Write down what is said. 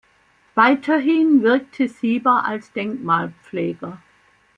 Weiterhin wirkte Sieber als Denkmalpfleger.